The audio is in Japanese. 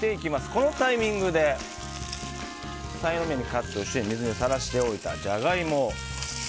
このタイミングでさいの目にカットして水にさらしておいたジャガイモ。